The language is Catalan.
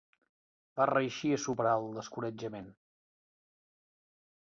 Va reeixir a superar el descoratjament.